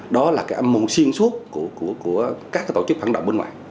đó là cái âm mưu xuyên suốt của các tổ chức phản động bên ngoài